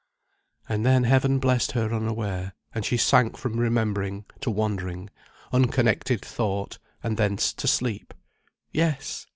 And then Heaven blessed her unaware, and she sank from remembering, to wandering, unconnected thought, and thence to sleep. Yes!